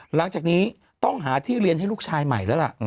หลังจากนี้ต้องหาที่เรียนให้ลูกชายใหม่แล้วล่ะ